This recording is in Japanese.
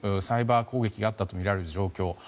サイバー攻撃があったとみられる状況